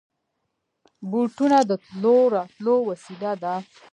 بوټونه د تلو راتلو وسېله ده.